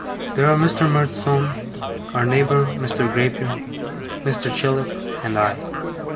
There are Mr. Murdstone, our neighbour Mr. Grayper, Mr. Chillip, and I.